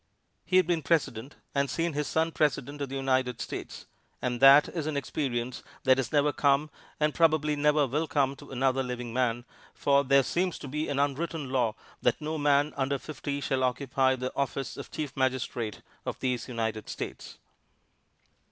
He had been President and seen his son President of the United States, and that is an experience that has never come and probably never will come to another living man, for there seems to be an unwritten law that no man under fifty shall occupy the office of Chief Magistrate of these United States.